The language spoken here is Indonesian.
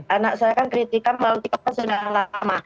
anak saya kan kritikan bahwa itu sudah lama